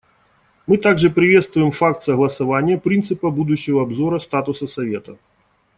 Мы также приветствуем факт согласования принципа будущего обзора статуса Совета.